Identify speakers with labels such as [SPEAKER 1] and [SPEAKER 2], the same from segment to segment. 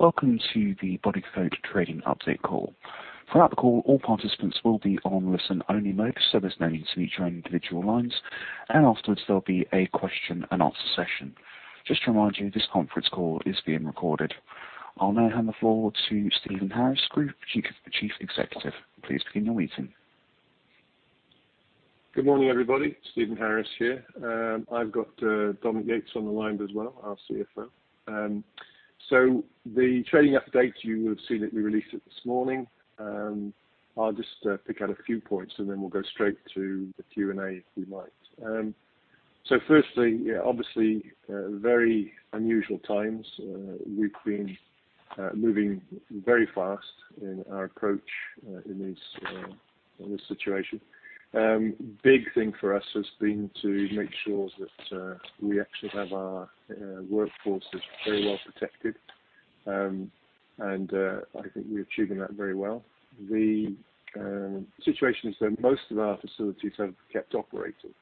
[SPEAKER 1] Welcome to the Bodycote Trading Update call. Throughout the call, all participants will be on listen-only mode, so there's no need to meet your individual lines, and afterwards there'll be a question-and-answer session. Just to remind you, this conference call is being recorded. I'll now hand the floor to Stephen Harris, Group Chief Executive. Please begin your meeting.
[SPEAKER 2] Good morning, everybody. Stephen Harris here. I've got Dominique Yates on the line as well, our CFO. So the trading update you have seen that we released this morning, I'll just pick out a few points and then we'll go straight to the Q&A if we might. So firstly, yeah, obviously, very unusual times. We've been moving very fast in our approach, in these, in this situation. Big thing for us has been to make sure that we actually have our workforces very well protected, and I think we're achieving that very well. The situation is that most of our facilities have kept operating.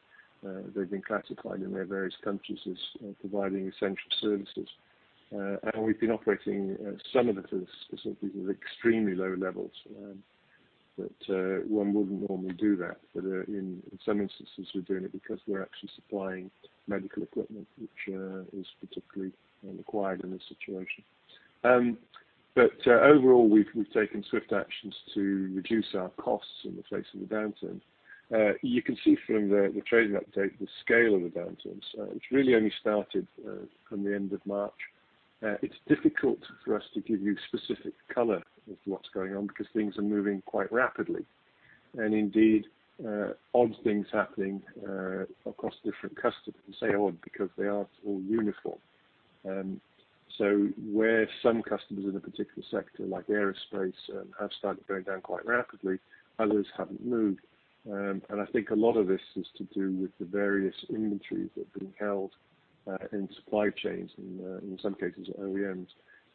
[SPEAKER 2] They've been classified in their various countries as providing essential services. We've been operating some of the facilities at extremely low levels that one wouldn't normally do that, but in some instances we're doing it because we're actually supplying medical equipment, which is particularly required in this situation. But overall we've taken swift actions to reduce our costs in the face of the downturn. You can see from the trading update the scale of the downturns, which really only started from the end of March. It's difficult for us to give you specific color of what's going on because things are moving quite rapidly, and indeed odd things happening across different customers. I say odd because they aren't all uniform. So where some customers in a particular sector, like aerospace, have started going down quite rapidly, others haven't moved. I think a lot of this has to do with the various inventories that are being held in supply chains and, in some cases at OEMs,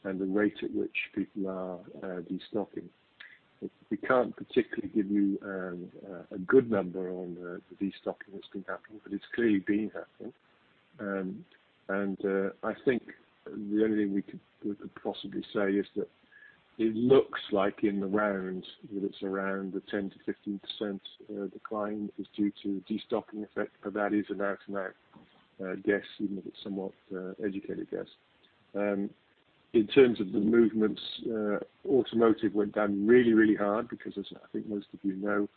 [SPEAKER 2] and the rate at which people are destocking. We can't particularly give you a good number on the destocking that's been happening, but it's clearly been happening. I think the only thing we could, we could possibly say is that it looks like in the round that it's around a 10%-15% decline is due to the destocking effect, but that is an out-and-out guess, even if it's somewhat educated guess. In terms of the movements, automotive went down really, really hard because, as I think most of you know,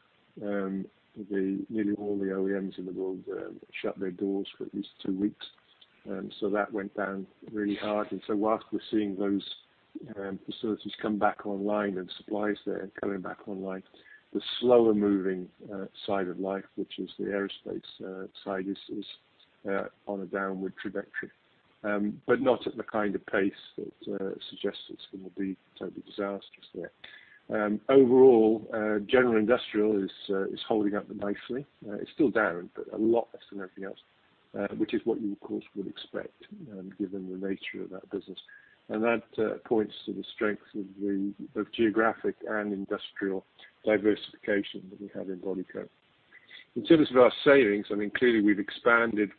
[SPEAKER 2] nearly all the OEMs in the world shut their doors for at least two weeks. So that went down really hard. So while we're seeing those facilities come back online and supplies there coming back online, the slower-moving side of life, which is the aerospace side, is on a downward trajectory, but not at the kind of pace that suggests it's going to be totally disastrous there. Overall, general industrial is holding up nicely. It's still down, but a lot less than everything else, which is what you, of course, would expect, given the nature of that business. And that points to the strength of the both geographic and industrial diversification that we have in Bodycote. In terms of our savings, I mean, clearly we've expanded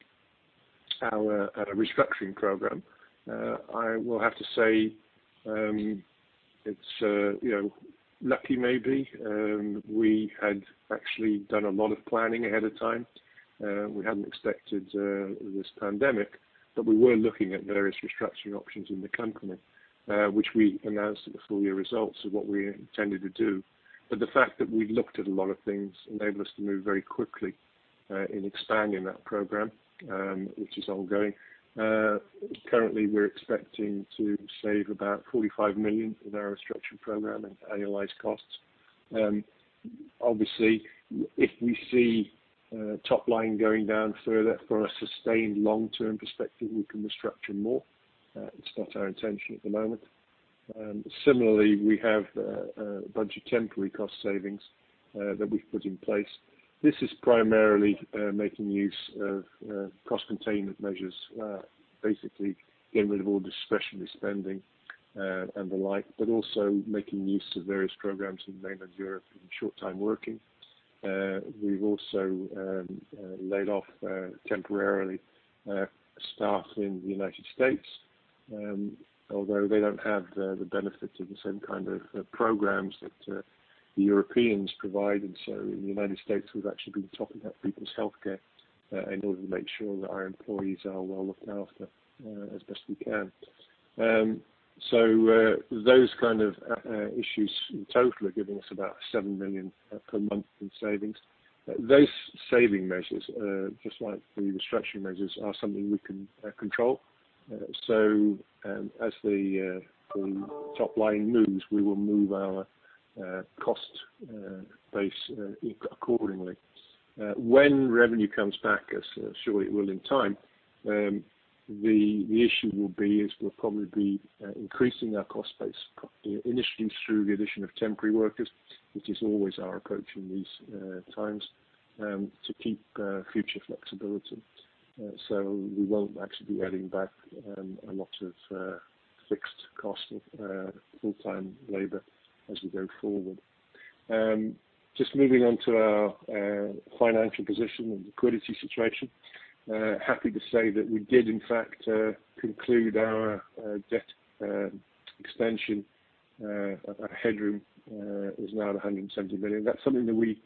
[SPEAKER 2] our restructuring program. I will have to say, it's you know, lucky maybe. We had actually done a lot of planning ahead of time. We hadn't expected this pandemic, but we were looking at various restructuring options in the company, which we announced at the full year results of what we intended to do. But the fact that we looked at a lot of things enabled us to move very quickly in expanding that program, which is ongoing. Currently we're expecting to save about 45 million in our restructuring program and annualized costs. Obviously, if we see top line going down further from a sustained long-term perspective, we can restructure more. It's not our intention at the moment. Similarly, we have a bunch of temporary cost savings that we've put in place. This is primarily making use of cost containment measures, basically getting rid of all discretionary spending and the like, but also making use of various programs in mainland Europe in short-time working. We've also laid off temporarily staff in the United States, although they don't have the benefit of the same kind of programs that the Europeans provide. And so in the United States we've actually been topping up people's healthcare in order to make sure that our employees are well looked after, as best we can. So those kind of issues in total are giving us about 7 million per month in savings. Those saving measures, just like the restructuring measures, are something we can control. So as the top line moves, we will move our cost base accordingly. When revenue comes back, as surely it will in time, the issue will be is we'll probably be increasing our cost base initially through the addition of temporary workers, which is always our approach in these times, to keep future flexibility. So we won't actually be adding back a lot of fixed cost of full-time labor as we go forward. Just moving on to our financial position and liquidity situation, happy to say that we did in fact conclude our debt extension. Our headroom is now at 170 million. That's something that we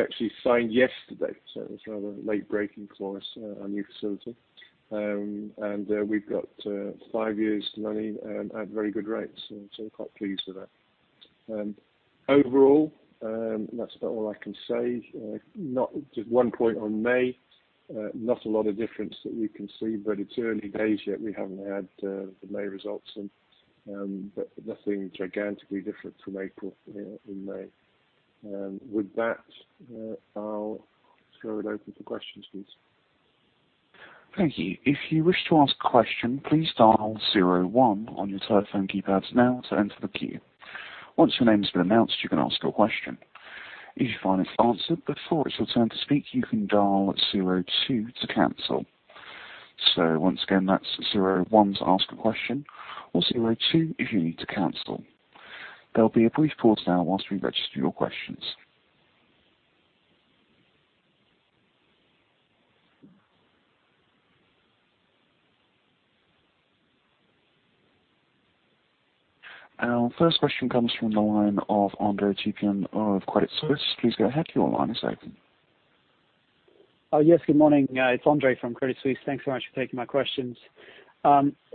[SPEAKER 2] actually signed yesterday, so it was rather late breaking for us, our new facility. And we've got five years' money at very good rates, so quite pleased with that. Overall, that's about all I can say. Not just one point on May, not a lot of difference that we can see, but it's early days yet. We haven't had the May results in, but nothing gigantically different from April in May. With that, I'll throw it open for questions, please.
[SPEAKER 1] Thank you. If you wish to ask a question, please dial zero one on your telephone keypads now to enter the queue. Once your name's been announced, you can ask your question. If you find it's answered before it's your turn to speak, you can dial zero two to cancel. So once again, that's zero one to ask a question or zero two if you need to cancel. There'll be a brief pause now whilst we register your questions. Our first question comes from the line of Andre Kukhnin of Credit Suisse. Please go ahead. Your line is open.
[SPEAKER 3] Oh, yes. Good morning. It's Andre from Credit Suisse. Thanks so much for taking my questions.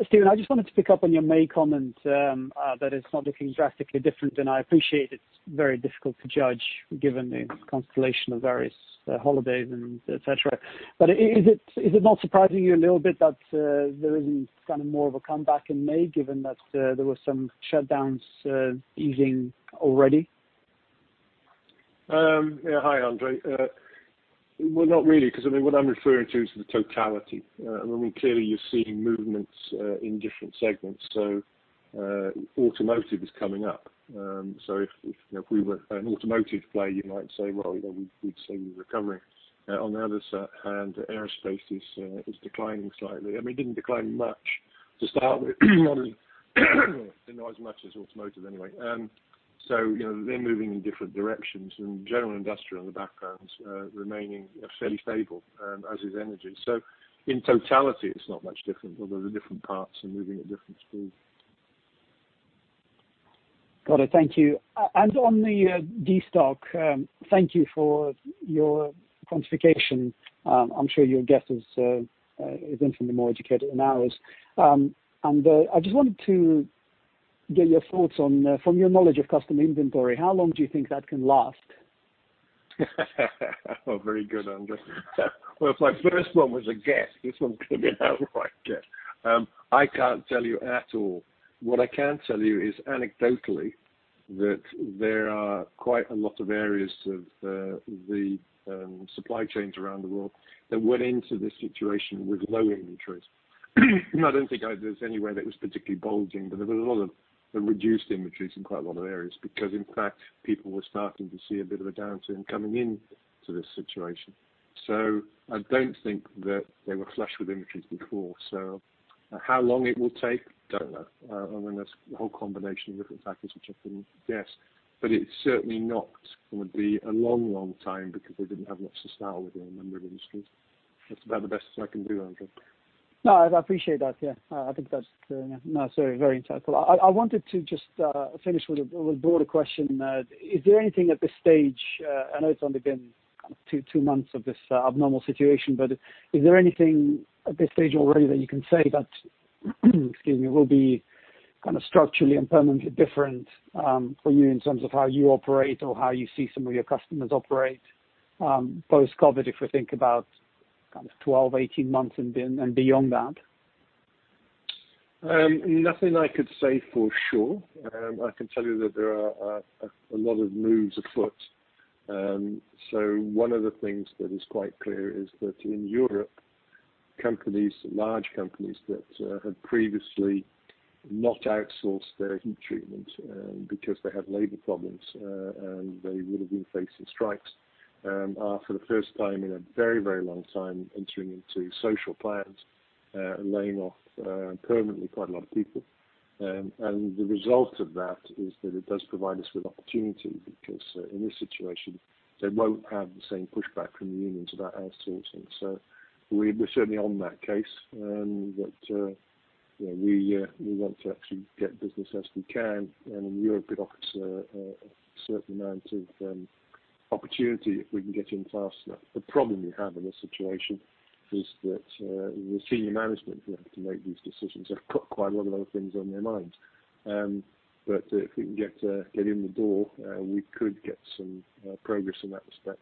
[SPEAKER 3] Stephen, I just wanted to pick up on your May comment, that it's not looking drastically different, and I appreciate it's very difficult to judge given the constellation of various holidays and etc. But is it not surprising you a little bit that there isn't kind of more of a comeback in May given that there were some shutdowns easing already?
[SPEAKER 2] Yeah. Hi, Andre. Well, not really 'cause, I mean, what I'm referring to is the totality. I mean, clearly you're seeing movements in different segments. So, automotive is coming up. So if, you know, if we were an automotive player, you might say, "Well, you know, we'd say we're recovering." On the other hand, aerospace is declining slightly. I mean, it didn't decline much to start with. Not as much as automotive anyway. So, you know, they're moving in different directions, and general industrial in the background's remaining fairly stable, as is energy. So in totality, it's not much different, although the different parts are moving at different speeds.
[SPEAKER 3] Got it. Thank you. And on the destock, thank you for your quantification. I'm sure your guess is infinitely more educated than ours. And I just wanted to get your thoughts on, from your knowledge of customer inventory, how long do you think that can last?
[SPEAKER 2] Oh, very good, Andre. Well, if my first one was a guess, this one's gonna be an outright guess. I can't tell you at all. What I can tell you is anecdotally that there are quite a lot of areas of the supply chains around the world that went into this situation with low inventories. I don't think there's any way that it was particularly bulging, but there was a lot of reduced inventories in quite a lot of areas because, in fact, people were starting to see a bit of a downturn coming into this situation. So I don't think that they were flush with inventories before. So how long it will take, don't know. I mean, there's a whole combination of different factors which I couldn't guess, but it's certainly not gonna be a long, long time because they didn't have much to sell within a number of industries. That's about the best I can do, Andre.
[SPEAKER 3] No, I appreciate that. Yeah. I think that's, yeah. No, sorry. Very insightful. I wanted to just finish with a broader question. Is there anything at this stage? I know it's only been kind of two months of this abnormal situation, but is there anything at this stage already that you can say that - excuse me - will be kind of structurally and permanently different, for you in terms of how you operate or how you see some of your customers operate, post-COVID if we think about kind of 12, 18 months and beyond that?
[SPEAKER 2] Nothing I could say for sure. I can tell you that there are a lot of moves afoot. So one of the things that is quite clear is that in Europe, companies, large companies that had previously not outsourced their heat treatment, because they had labor problems, and they would have been facing strikes, are for the first time in a very, very long time entering into social plans, and laying off permanently quite a lot of people. And the result of that is that it does provide us with opportunity because, in this situation, they won't have the same pushback from the unions about outsourcing. So we're certainly on that case, that you know, we want to actually get business as we can. And in Europe, it offers a certain amount of opportunity if we can get in faster than that. The problem we have in this situation is that the senior management who have to make these decisions have got quite a lot of other things on their minds. But if we can get in the door, we could get some progress in that respect.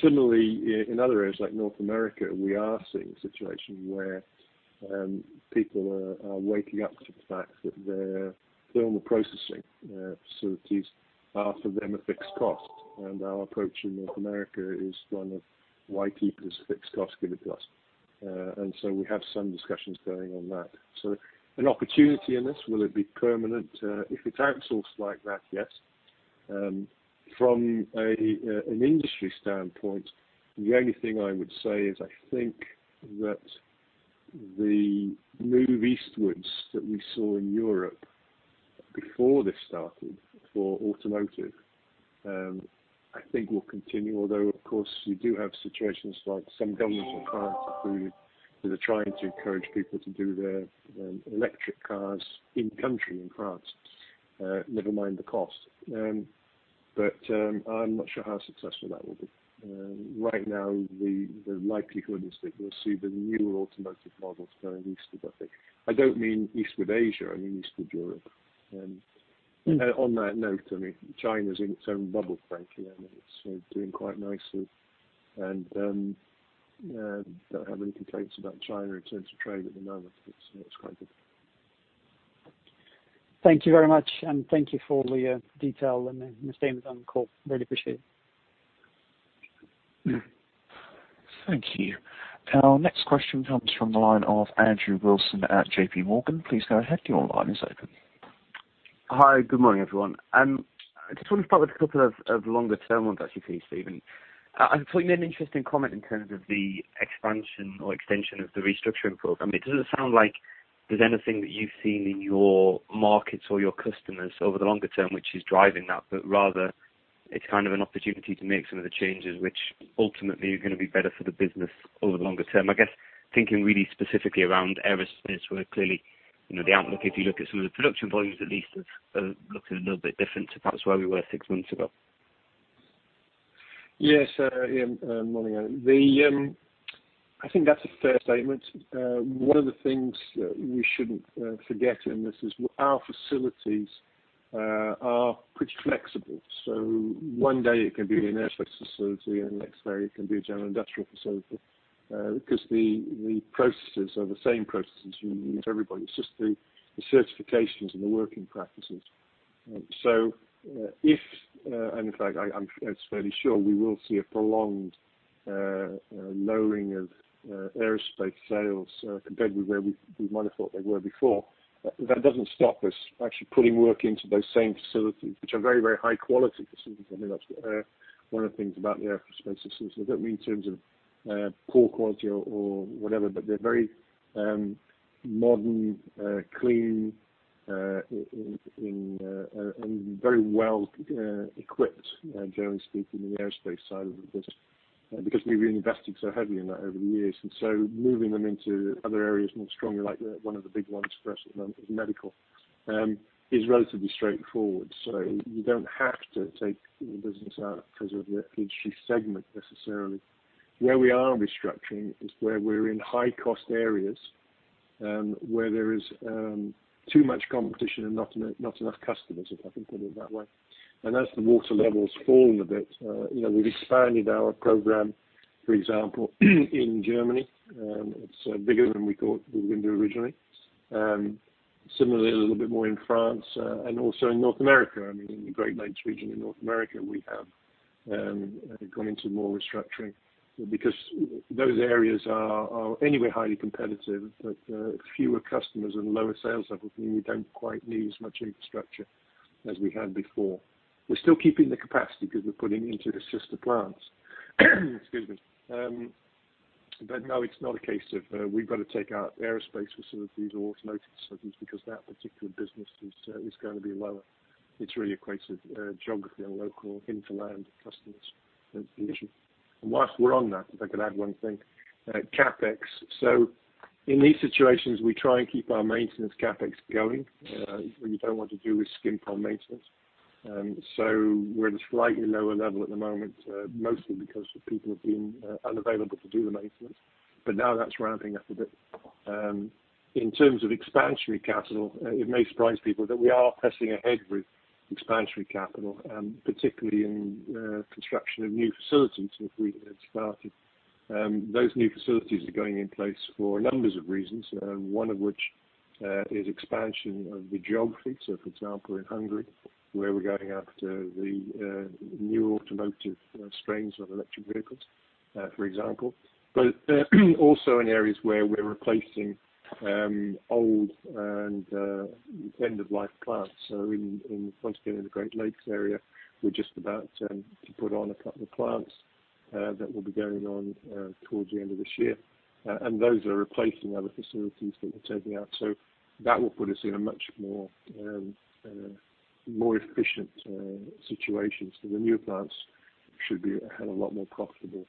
[SPEAKER 2] Similarly, in other areas like North America, we are seeing a situation where people are waking up to the fact that their thermal processing facilities are for them a fixed cost, and our approach in North America is one of, "Why keep it as a fixed cost? Give it to us." And so we have some discussions going on that. So an opportunity in this, will it be permanent? If it's outsourced like that, yes. From an industry standpoint, the only thing I would say is I think that the move eastwards that we saw in Europe before this started for automotive, I think will continue, although, of course, you do have situations like some governments in France included that are trying to encourage people to do their electric cars in-country in France, never mind the cost. But I'm not sure how successful that will be. Right now, the likelihood is that we'll see the newer automotive models going eastward, I think. I don't mean eastward Asia. I mean Eastern Europe. On that note, I mean, China's in its own bubble, frankly. I mean, it's doing quite nicely, and don't have any complaints about China in terms of trade at the moment. It's quite good.
[SPEAKER 3] Thank you very much, and thank you for the detail and the statements on the call. Really appreciate it.
[SPEAKER 1] Thank you. Our next question comes from the line of Andrew Wilson at JPMorgan. Please go ahead. Your line is open.
[SPEAKER 4] Hi. Good morning, everyone. I just wanted to start with a couple of longer-term ones actually, please, Stephen. I saw you made an interesting comment in terms of the expansion or extension of the restructuring program. It doesn't sound like there's anything that you've seen in your markets or your customers over the longer term which is driving that, but rather it's kind of an opportunity to make some of the changes which ultimately are gonna be better for the business over the longer term. I guess thinking really specifically around aerospace where clearly, you know, the outlook, if you look at some of the production volumes at least, have looked a little bit different to perhaps where we were six months ago.
[SPEAKER 2] Yes. Yeah. Morning, Andre. I think that's a fair statement. One of the things that we shouldn't forget, and this is with our facilities, are pretty flexible. So one day it can be an aerospace facility, and the next day it can be a general industrial facility, 'cause the processes are the same processes you use everybody. It's just the certifications and the working practices. So, and in fact, I'm fairly sure we will see a prolonged lowering of aerospace sales, compared with where we might have thought they were before. That doesn't stop us actually putting work into those same facilities which are very, very high-quality facilities. I mean, that's one of the things about the aerospace facilities. I don't mean in terms of poor quality or whatever, but they're very modern, clean, and very well equipped, generally speaking, in the aerospace side of the business, because we've reinvested so heavily in that over the years. And so moving them into other areas more strongly, like one of the big ones for us at the moment is medical, is relatively straightforward. So you don't have to take the business out 'cause of the industry segment necessarily. Where we are restructuring is where we're in high-cost areas, where there is too much competition and not enough customers, if I can put it that way. And as the water levels fall a bit, you know, we've expanded our program, for example, in Germany. It's bigger than we thought we were gonna do originally. Similarly, a little bit more in France, and also in North America. I mean, in the Great Lakes region in North America, we have gone into more restructuring because those areas are anyway highly competitive, but fewer customers and lower sales levels. I mean, we don't quite need as much infrastructure as we had before. We're still keeping the capacity 'cause we're putting into the sister plants. Excuse me. But no, it's not a case of, we've gotta take out aerospace facilities or automotive facilities because that particular business is gonna be lower. It's really equated geography and local hinterland customers that's the issue. And while we're on that, if I could add one thing, CapEx. So in these situations, we try and keep our maintenance CapEx going, what you don't want to do is skimp on maintenance. So we're at a slightly lower level at the moment, mostly because people have been unavailable to do the maintenance, but now that's ramping up a bit. In terms of expansionary capital, it may surprise people that we are pressing ahead with expansionary capital, particularly in construction of new facilities that we had started. Those new facilities are going in place for numbers of reasons, one of which is expansion of the geography. So, for example, in Hungary, where we're going after the new automotive strains of electric vehicles, for example. But also in areas where we're replacing old and end-of-life plants. So in once again in the Great Lakes area, we're just about to put on a couple of plants that will be going on towards the end of this year. And those are replacing other facilities that we're taking out. So that will put us in a much more, more efficient, situation. So the newer plants should be a hell of a lot more profitable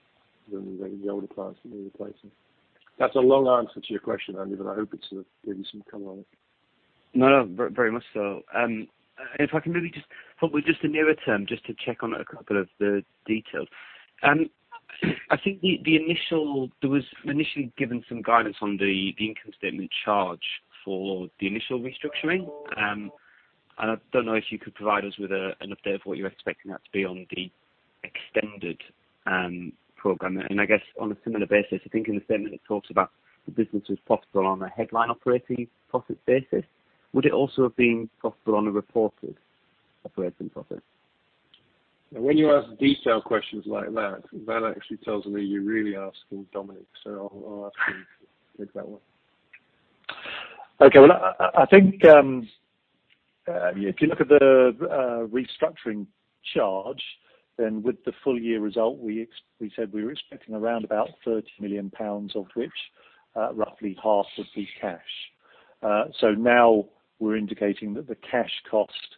[SPEAKER 2] than the, the older plants that we're replacing. That's a long answer to your question, Andre, but I hope it sort of gave you some color on it.
[SPEAKER 4] No, no. Very much so. If I can really just hopefully just interject to check on a couple of the details. I think the initial guidance given on the income statement charge for the initial restructuring. I don't know if you could provide us with an update of what you're expecting that to be on the extended program. I guess on a similar basis, I think in the statement it talks about the business was profitable on a headline operating profit basis. Would it also have been profitable on a reported operating profit?
[SPEAKER 2] Now, when you ask detailed questions like that, that actually tells me you're really asking Dominique. So I'll, I'll ask you to take that one.
[SPEAKER 5] Okay. Well, I think, if you look at the restructuring charge, then with the full-year result, we said we were expecting around 30 million pounds, of which roughly half would be cash. So now we're indicating that the cash cost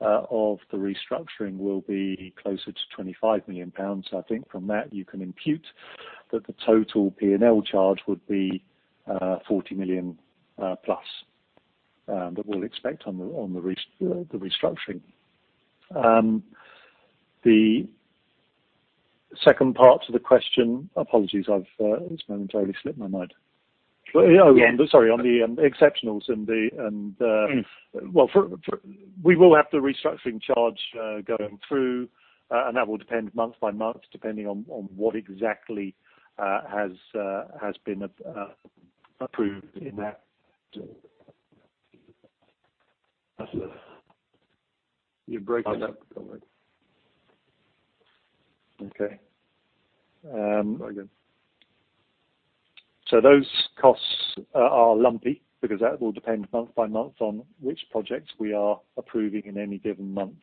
[SPEAKER 5] of the restructuring will be closer to 25 million pounds. So I think from that, you can impute that the total P&L charge would be 40 million, plus that we'll expect on the rest of the restructuring. The second part of the question, apologies, it's momentarily slipped my mind. But oh, Andre, sorry, on the exceptionals and the, well, for we will have the restructuring charge going through, and that will depend month by month depending on what exactly has been approved in that.
[SPEAKER 2] That's, you're breaking up.
[SPEAKER 5] Okay. So those costs are lumpy because that will depend month by month on which projects we are approving in any given month.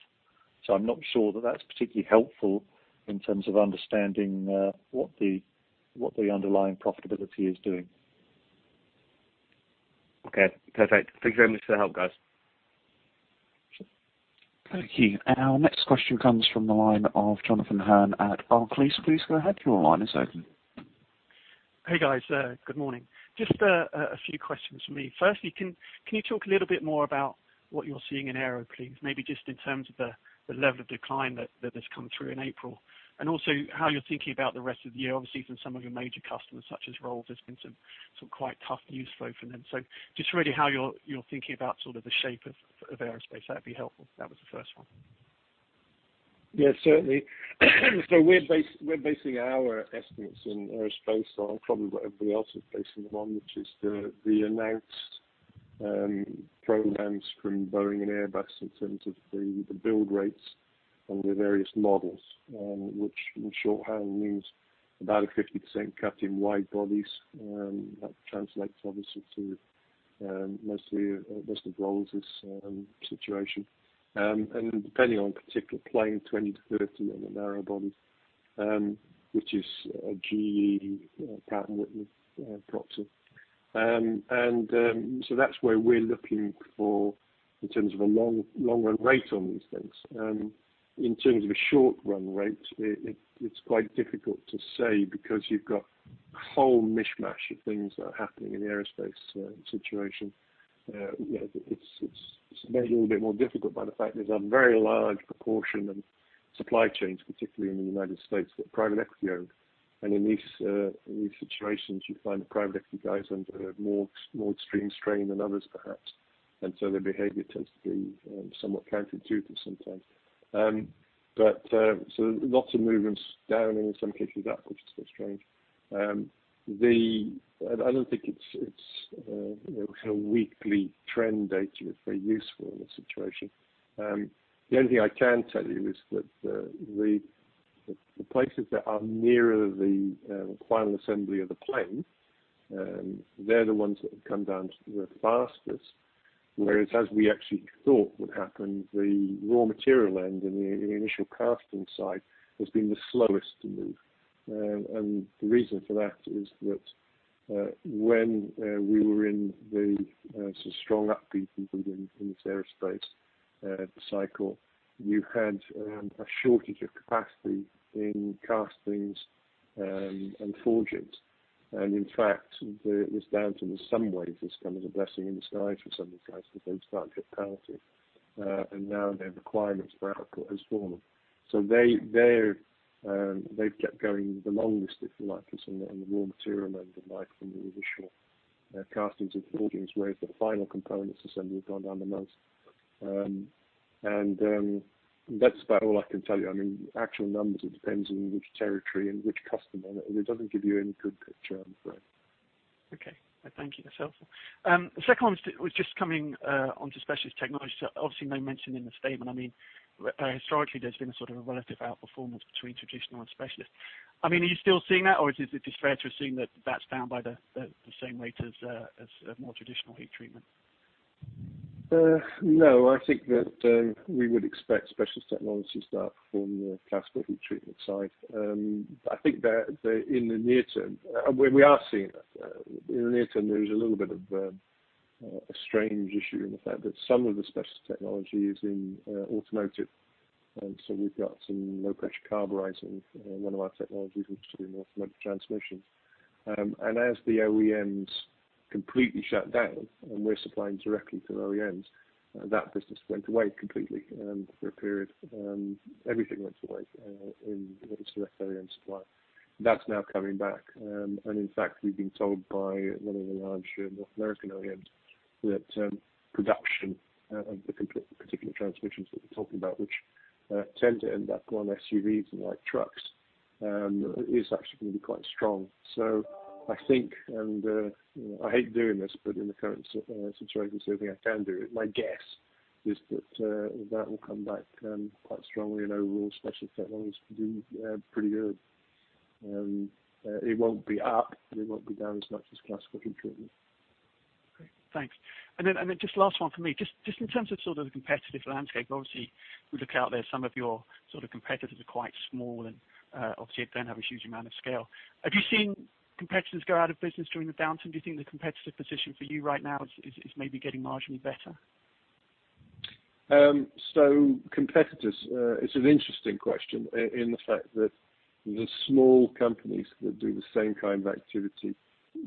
[SPEAKER 5] So I'm not sure that that's particularly helpful in terms of understanding what the underlying profitability is doing.
[SPEAKER 4] Okay. Perfect. Thanks very much for the help, guys.
[SPEAKER 1] Thank you. Our next question comes from the line of Jonathan Hurn at Barclays. Please go ahead. Your line is open.
[SPEAKER 6] Hey, guys. Good morning. Just a few questions for me. First, can you talk a little bit more about what you're seeing in aero, please? Maybe just in terms of the level of decline that has come through in April and also how you're thinking about the rest of the year. Obviously, for some of your major customers such as Rolls, there's been some quite tough news flow from them. So just really how you're thinking about sort of the shape of aerospace. That'd be helpful. That was the first one.
[SPEAKER 2] Yeah, certainly. So we're basing our estimates in aerospace on probably what everybody else is basing them on, which is the announced programs from Boeing and Airbus in terms of the build rates on the various models, which in shorthand means about a 50% cut in wide bodies. That translates, obviously, to mostly most of Rolls's situation. And depending on particular plane, 20%-30% on the narrow bodies, which is a GE, Pratt & Whitney, proxy. And so that's where we're looking for in terms of a long, long-run rate on these things. In terms of a short-run rate, it it's quite difficult to say because you've got a whole mishmash of things that are happening in the aerospace situation. You know, it's made it a little bit more difficult by the fact there's a very large proportion of supply chains, particularly in the United States, that private equity own. And in these situations, you find the private equity guys under more extreme strain than others perhaps, and so their behavior tends to be somewhat counterintuitive sometimes. But so lots of movements down and in some cases up, which is quite strange. I don't think it's, you know, kind of weekly trend data is very useful in this situation. The only thing I can tell you is that the places that are nearer the final assembly of the plane, they're the ones that have come down the fastest, whereas as we actually thought would happen, the raw material end in the initial casting side has been the slowest to move. And the reason for that is that when we were in the sort of strong upbeat move in this aerospace cycle, you had a shortage of capacity in castings and forges. And in fact, the downturn has come as a blessing in disguise for some of these guys 'cause they started to get penalty. And now their requirements for output has fallen. So they've kept going the longest, if you like, on the raw material end, unlike the initial castings and forgings, whereas the final components assembly has gone down the most. That's about all I can tell you. I mean, actual numbers, it depends on which territory and which customer. It doesn't give you any good picture, I'm afraid.
[SPEAKER 6] Okay. Thank you. That's helpful. The second one was just coming onto specialist technology. So obviously, no mention in the statement. I mean, historically, there's been a sort of a relative outperformance between traditional and specialist. I mean, are you still seeing that, or is it just fair to assume that that's down by the same rate as more traditional heat treatment?
[SPEAKER 2] No. I think that, we would expect specialist technologies to outperform the classical heat treatment side. I think that, that in the near term we are seeing that. In the near term, there is a little bit of, a strange issue in the fact that some of the specialist technology is in automotive. We've got some low-pressure carburizing, one of our technologies, which is in automotive transmissions. And as the OEMs completely shut down and we're supplying directly to OEMs, that business went away completely, for a period. Everything went away, in what is the rest OEM supply. That's now coming back. And in fact, we've been told by one of the large, North American OEMs that, production, of the particular transmissions that we're talking about, which, tend to end up on SUVs and like trucks, is actually gonna be quite strong. So I think, you know, I hate doing this, but in the current situation, it's the only thing I can do. My guess is that will come back quite strongly and overall, specialist technologies do pretty good. It won't be up. It won't be down as much as classical heat treatment.
[SPEAKER 6] Great. Thanks. And then just last one for me. Just in terms of sort of the competitive landscape, obviously, we look out there. Some of your sort of competitors are quite small and, obviously, they don't have a huge amount of scale. Have you seen competitors go out of business during the downturn? Do you think the competitive position for you right now is maybe getting marginally better?
[SPEAKER 2] So competitors, it's an interesting question in the fact that the small companies that do the same kind of activity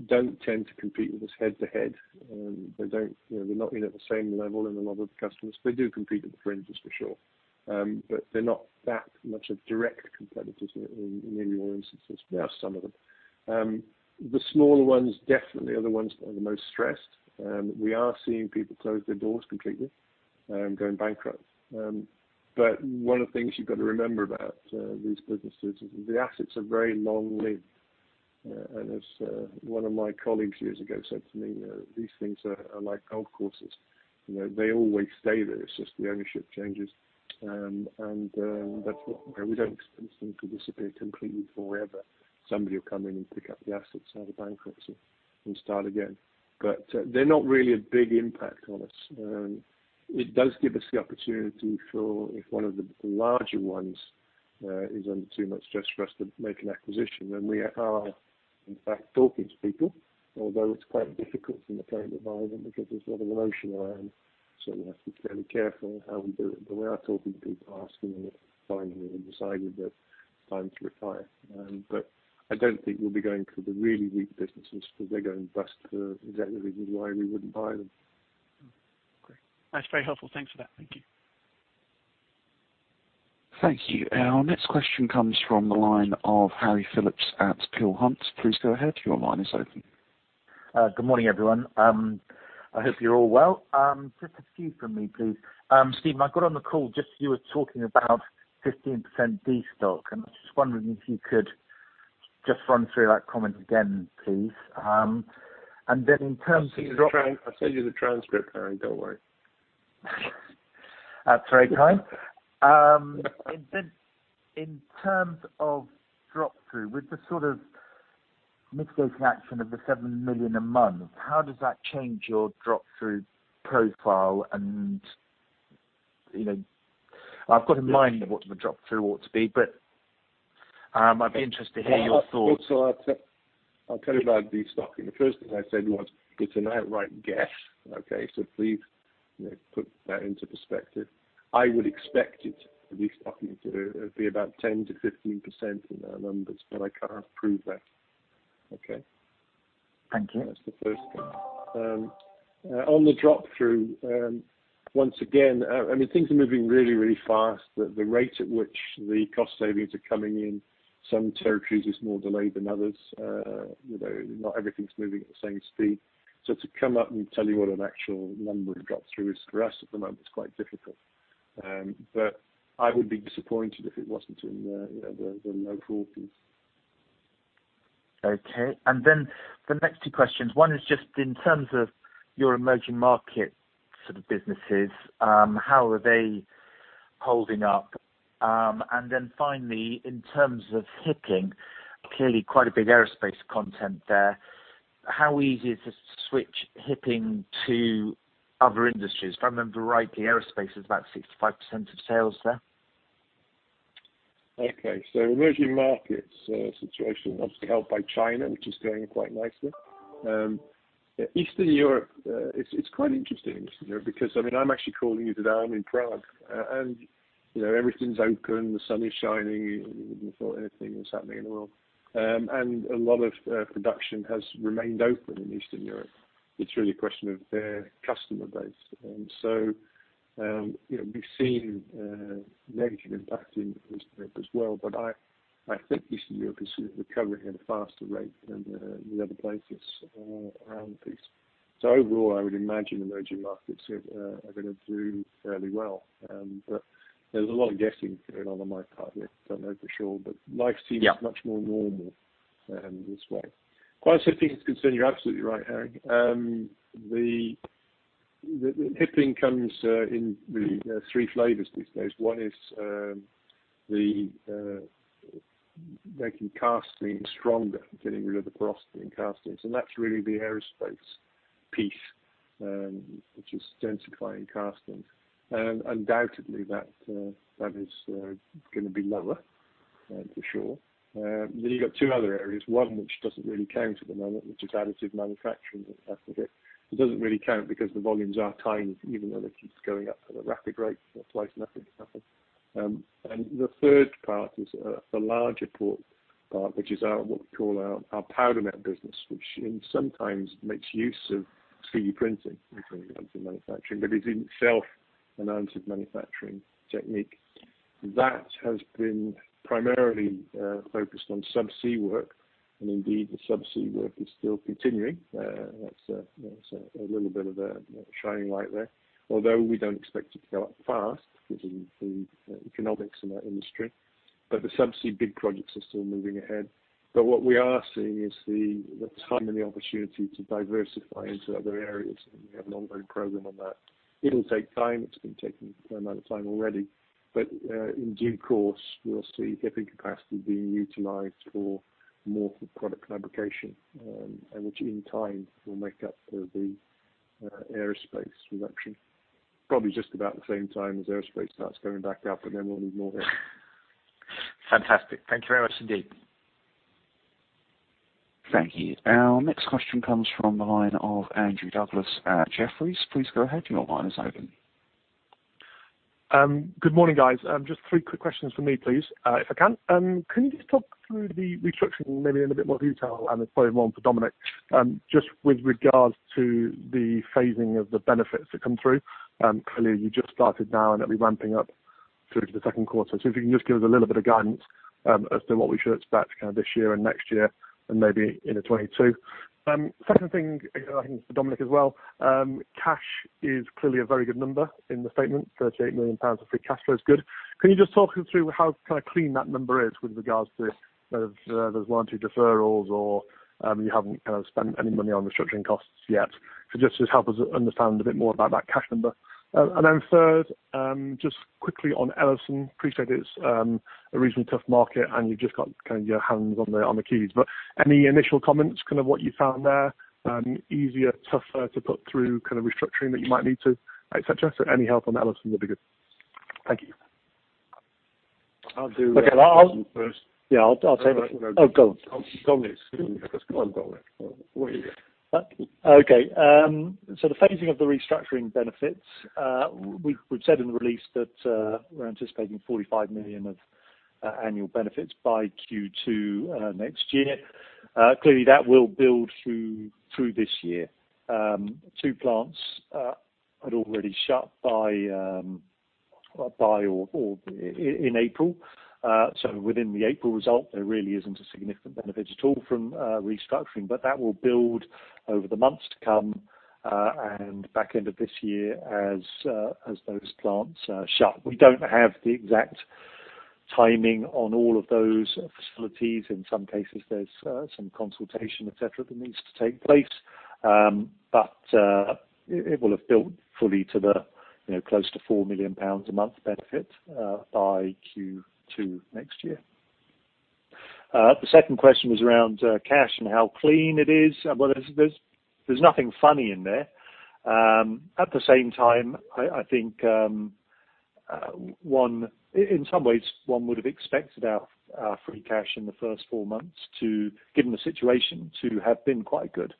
[SPEAKER 2] don't tend to compete with us head to head. They don't, you know, they're not in at the same level in a lot of the customers. They do compete at the fringes, for sure. But they're not that much of direct competitors in, in, in any more instances. Well, some of them. The smaller ones definitely are the ones that are the most stressed. We are seeing people close their doors completely, going bankrupt. But one of the things you've gotta remember about these businesses is the assets are very long-lived. And as one of my colleagues years ago said to me, these things are like golf courses. You know, they always stay there. It's just the ownership changes. That's what you know, we don't expect these things to disappear completely forever. Somebody will come in and pick up the assets out of bankruptcy and start again. But they're not really a big impact on us. It does give us the opportunity for if one of the, the larger ones, is under too much stress for us to make an acquisition, then we are, in fact, talking to people, although it's quite difficult in the current environment because there's a lot of emotion around. So we have to be fairly careful how we do it. But we are talking to people, asking them, and finally, we've decided that it's time to retire. But I don't think we'll be going for the really weak businesses 'cause they're going bust for exactly the reasons why we wouldn't buy them.
[SPEAKER 6] Great. That's very helpful. Thanks for that. Thank you.
[SPEAKER 1] Thank you. Our next question comes from the line of Harry Philips at Peel Hunt. Please go ahead. Your line is open.
[SPEAKER 7] Good morning, everyone. I hope you're all well. Just a few from me, please. Stephen, I got on the call just as you were talking about 15% destock, and I was just wondering if you could just run through that comment again, please. And then in terms of drop.
[SPEAKER 2] I'll send you the transcript. I'll send you the transcript, Harry. Don't worry.
[SPEAKER 7] That's very kind. In terms of drop-through, with the sort of mitigating action of the 7 million a month, how does that change your drop-through profile and, you know, I've got in mind what the drop-through ought to be, but, I'd be interested to hear your thoughts.
[SPEAKER 2] Well, I'll tell you about destocking. The first thing I said was it's an outright guess, okay? So please, you know, put that into perspective. I would expect it, the destocking, to be about 10%-15% in our numbers, but I can't prove that, okay?
[SPEAKER 7] Thank you.
[SPEAKER 2] That's the first thing. On the drop-through, once again, I mean, things are moving really, really fast. The rate at which the cost savings are coming in, some territories is more delayed than others. You know, not everything's moving at the same speed. So to come up and tell you what an actual number of drop-through is for us at the moment, it's quite difficult. But I would be disappointed if it wasn't in the, you know, the low 40s.
[SPEAKER 7] Okay. And then the next two questions. One is just in terms of your emerging market sort of businesses, how are they holding up? And then finally, in terms of HIPing, clearly quite a big aerospace content there. How easy is it to switch HIPing to other industries? If I remember rightly, aerospace is about 65% of sales there.
[SPEAKER 2] Okay. So emerging markets situation, obviously helped by China, which is going quite nicely. Eastern Europe, it's quite interesting in Eastern Europe because, I mean, I'm actually calling you today. I'm in Prague, and, you know, everything's open. The sun is shining. You wouldn't have thought anything was happening in the world, and a lot of production has remained open in Eastern Europe. It's really a question of their customer base. So, you know, we've seen negative impact in Eastern Europe as well, but I think Eastern Europe is recovering at a faster rate than the other places around the place. So overall, I would imagine emerging markets are gonna do fairly well, but there's a lot of guessing going on on my part here. Don't know for sure, but life seems much more normal this way. Quite a set of things concern you. Absolutely right, Harry. The HIPing comes in three flavors these days. One is making castings stronger, getting rid of the porosity in castings. And that's really the aerospace piece, which is densifying castings. Undoubtedly, that is gonna be lower, for sure. Then you've got two other areas. One, which doesn't really count at the moment, which is additive manufacturing at the HIP. It doesn't really count because the volumes are tiny, even though they keep going up at a rapid rate. That's why it's nothing, nothing. And the third part is the larger part, which is what we call our Powdermet business, which sometimes makes use of 3D printing in terms of manufacturing, but is in itself an additive manufacturing technique. That has been primarily focused on subsea work, and indeed, the subsea work is still continuing. That's, you know, it's a little bit of a shining light there, although we don't expect it to go up fast given the economics in that industry. But the subsea big projects are still moving ahead. But what we are seeing is the time and the opportunity to diversify into other areas. And we have an ongoing program on that. It'll take time. It's been taking quite a amount of time already. But, in due course, we'll see HIPing capacity being utilized for more for product fabrication, which in time will make up for the aerospace reduction. Probably just about the same time as aerospace starts going back up, and then we'll need more HIPing.
[SPEAKER 7] Fantastic. Thank you very much indeed.
[SPEAKER 1] Thank you. Our next question comes from the line of Andrew Douglas at Jefferies. Please go ahead. Your line is open.
[SPEAKER 8] Good morning, guys. Just three quick questions for me, please. If I can, can you just talk through the restructuring maybe in a bit more detail, and it's probably the one for Dominique, just with regards to the phasing of the benefits that come through? Clearly, you just started now, and it'll be ramping up through to the second quarter. So if you can just give us a little bit of guidance, as to what we should expect kind of this year and next year and maybe in 2022. Second thing, again, I think for Dominique as well, cash is clearly a very good number in the statement. 38 million pounds of free cash flow is good. Can you just talk us through how kind of clean that number is with regards to whether, there's one or two deferrals or, you haven't kind of spent any money on restructuring costs yet? So just to help us understand a bit more about that cash number. And then third, just quickly on Ellison. Appreciate it's a reasonably tough market, and you've just got kind of your hands on the keys. But any initial comments, kind of what you found there? Easier, tougher to put through kind of restructuring that you might need to, etc.? So any help on Ellison would be good. Thank you. I'll do. Okay. I'll. You first. Yeah. I'll, I'll take it. Oh, go on. Dominique, excuse me. I've got to go. I'm going now. What are you doing?
[SPEAKER 5] Okay. So the phasing of the restructuring benefits, we've said in the release that we're anticipating 45 million of annual benefits by Q2 next year. Clearly, that will build through this year. Two plants had already shut by or in April. So within the April result, there really isn't a significant benefit at all from restructuring, but that will build over the months to come, and back end of this year as those plants shut. We don't have the exact timing on all of those facilities. In some cases, there's some consultation, etc., that needs to take place. But it will have built fully to the, you know, close to 4 million pounds a month benefit, by Q2 next year. The second question was around cash and how clean it is. Well, there's nothing funny in there. At the same time, I think, one in some ways, one would have expected our free cash in the first four months to, given the situation, to have been quite good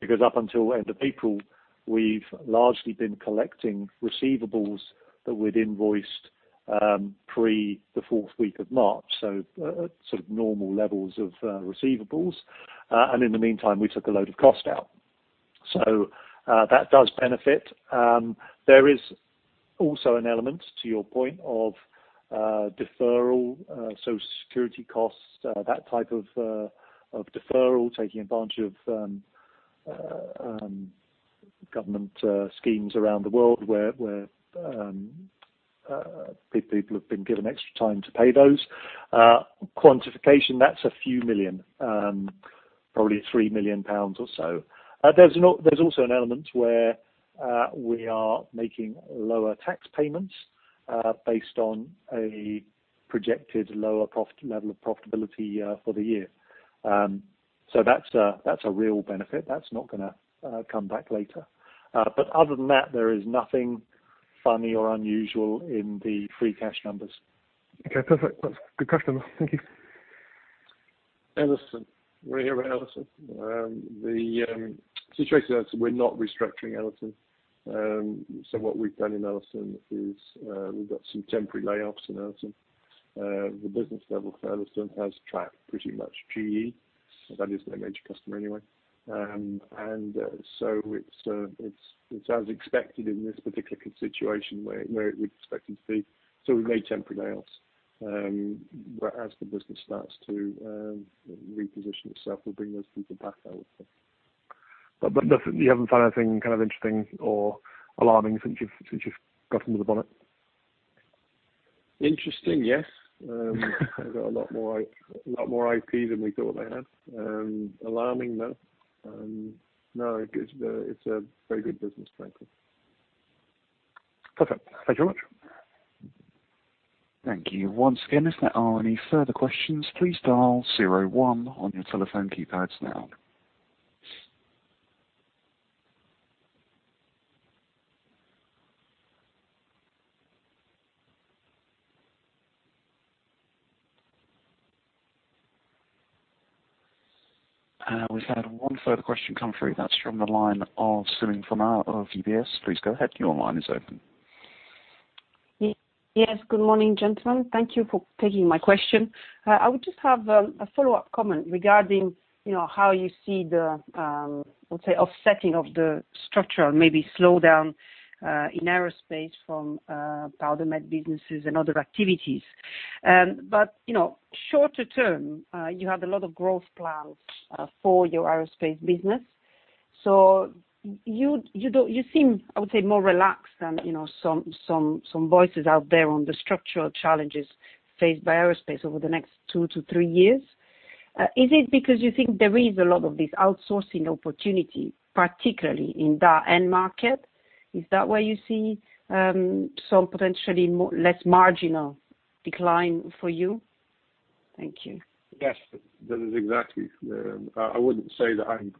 [SPEAKER 5] because up until end of April, we've largely been collecting receivables that we'd invoiced, pre the fourth week of March. So, sort of normal levels of receivables. And in the meantime, we took a load of cost out. So, that does benefit. There is also an element to your point of deferral, Social Security costs, that type of deferral, taking advantage of government schemes around the world where people have been given extra time to pay those. Quantification, that's a few million, probably 3 million pounds or so. There's also an element where we are making lower tax payments, based on a projected lower level of profitability, for the year. So that's a real benefit. That's not gonna come back later. But other than that, there is nothing funny or unusual in the free cash numbers.
[SPEAKER 8] Okay. Perfect. That's a good question. Thank you.
[SPEAKER 2] Ellison. We're here with Ellison. The situation is we're not restructuring Ellison. So what we've done in Ellison is, we've got some temporary layoffs in Ellison. The business level for Ellison has tracked pretty much GE. That is their major customer anyway. And so it's as expected in this particular situation where it would be expected to be. So we've made temporary layoffs. But as the business starts to reposition itself, we'll bring those people back, I would say.
[SPEAKER 8] But nothing you haven't found anything kind of interesting or alarming since you've gotten to the bonnet?
[SPEAKER 2] Interesting, yes. I've got a lot more, a lot more IP than we thought they had. Alarming, no. No. It's, it's a very good business, frankly.
[SPEAKER 8] Perfect. Thank you very much.
[SPEAKER 1] Thank you once again. If there are any further questions, please dial zero one on your telephone keypads now. We've had one further question come through. That's from the line of Sue Ingramar of UBS. Please go ahead. Your line is open.
[SPEAKER 9] Yes. Good morning, gentlemen. Thank you for taking my question. I would just have a follow-up comment regarding, you know, how you see the, I would say, offsetting of the structural maybe slowdown in aerospace from Powdermet businesses and other activities. But, you know, shorter-term, you have a lot of growth plans for your aerospace business. So you don't seem, I would say, more relaxed than, you know, some voices out there on the structural challenges faced by aerospace over the next two to three years. Is it because you think there is a lot of this outsourcing opportunity, particularly in the end market? Is that where you see some potentially more or less marginal decline for you? Thank you.
[SPEAKER 2] Yes. That is exactly the, I wouldn't say that I'm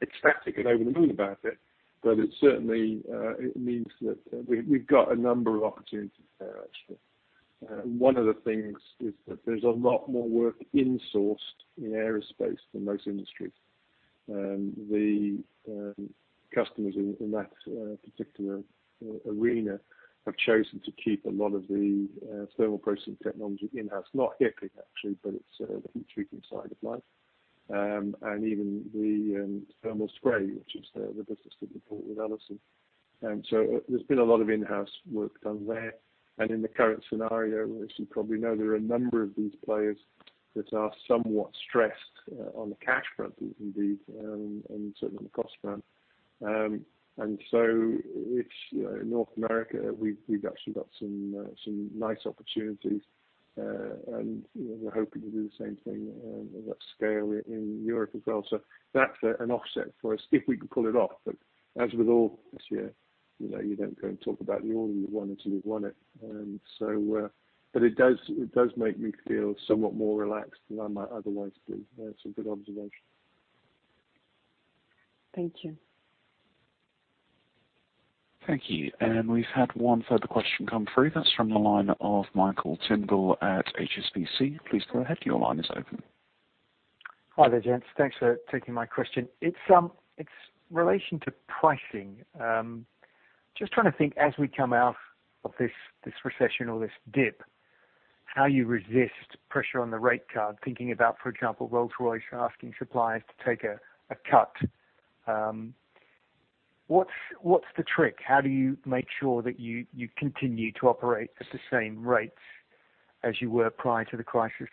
[SPEAKER 2] ecstatic and over the moon about it, but it certainly, it means that, we've got a number of opportunities there, actually. One of the things is that there's a lot more work insourced in aerospace than most industries. The customers in that particular arena have chosen to keep a lot of the thermal processing technology in-house. Not HIPing, actually, but it's the heat-treating side of life. And even the thermal spray, which is the business that we bought with Ellison. So, there's been a lot of in-house work done there. And in the current scenario, as you probably know, there are a number of these players that are somewhat stressed, on the cash front indeed, and certainly on the cost front. And so it's, you know, in North America, we've actually got some nice opportunities. You know, we're hoping to do the same thing at that scale in Europe as well. So that's an offset for us if we can pull it off. But, as with all this year, you know, you don't go and talk about the order you want it to be, run it. So, but it does make me feel somewhat more relaxed than I might otherwise be. That's a good observation.
[SPEAKER 9] Thank you.
[SPEAKER 1] Thank you. And we've had one further question come through. That's from the line of Michael Tyndall at HSBC. Please go ahead. Your line is open.
[SPEAKER 10] Hi there, gents. Thanks for taking my question. It's in relation to pricing. Just trying to think as we come out of this recession or this dip, how you resist pressure on the rate card, thinking about, for example, Rolls-Royce asking suppliers to take a cut. What's the trick? How do you make sure that you continue to operate at the same rates as you were prior to the crisis?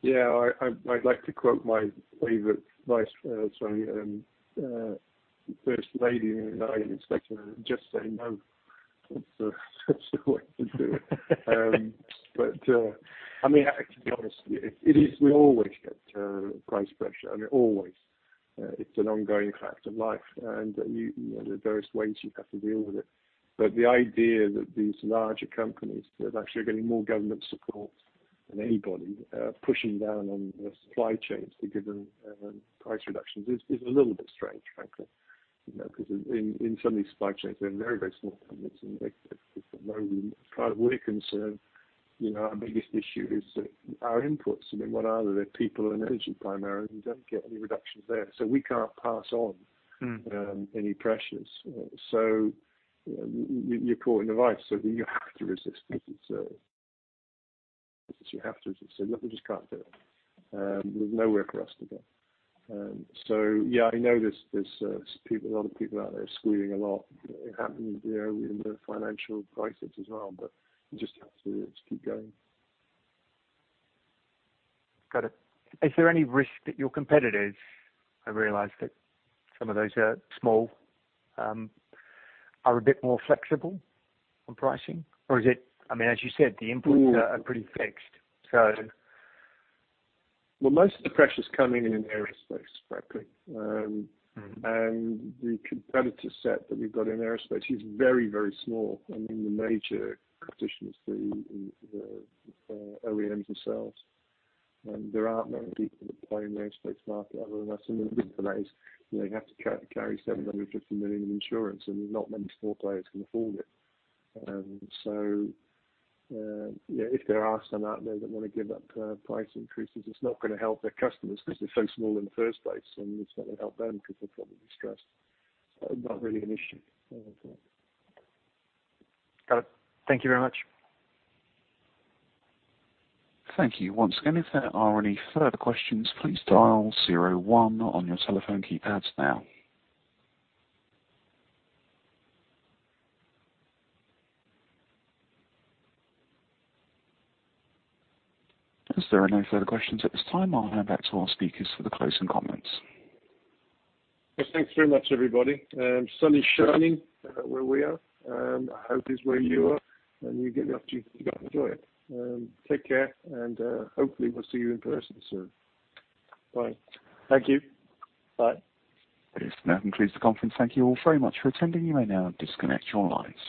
[SPEAKER 2] Yeah. I'd like to quote my favorite vice, sorry, First Lady, Nancy Reagan, and just say no. That's the, that's the way to do it. But, I mean, to be honest, it, it is we always get price pressure, and it always. It's an ongoing fact of life, and, you, you know, there are various ways you have to deal with it. But the idea that these larger companies that actually are getting more government support than anybody, pushing down on the supply chains to give them price reductions is a little bit strange, frankly, you know, because in, in, in some of these supply chains, they're very, very small companies, and it, it, it's a low. As far as we're concerned, you know, our biggest issue is that our inputs. I mean, what are they? They're people and energy primarily. We don't get any reductions there. So we can't pass on any pressures. So, you know, you're caught in a vice. So you have to resist it, sir. You have to resist. So look, we just can't do it. There's nowhere for us to go. So yeah, I know there's a lot of people out there squealing a lot. It happened, you know, in the financial crisis as well, but we just have to keep going.
[SPEAKER 10] Got it. Is there any risk that your competitors, I realize that some of those are small, are a bit more flexible on pricing? Or is it I mean, as you said, the inputs are, are pretty fixed, so.
[SPEAKER 2] Well, most of the pressure's coming in in aerospace, frankly. And the competitor set that we've got in aerospace is very, very small. I mean, the major competition is the OEMs themselves. There aren't many people that play in the aerospace market other than us. And the reason for that is, you know, you have to carry 750 million of insurance, and not many small players can afford it. So, yeah, if there are some out there that want to give up, price increases, it's not going to help their customers because they're so small in the first place, and it's not going to help them because they're probably stressed. Not really an issue, I would say.
[SPEAKER 10] Got it. Thank you very much.
[SPEAKER 1] Thank you once again. If there are any further questions, please dial zero one on your telephone keypads now. Is there any further questions at this time? I'll hand back to our speakers for the closing comments.
[SPEAKER 2] Yes. Thanks very much, everybody. The sun is shining, where we are. I hope it's where you are, and you get the opportunity to go and enjoy it. Take care, and, hopefully, we'll see you in person soon. Bye.
[SPEAKER 5] Thank you. Bye.
[SPEAKER 1] Thanks, Matt, and that concludes the conference. Thank you all very much for attending. You may now disconnect your lines.